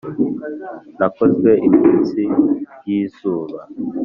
nakozwe iminsi y'izuba.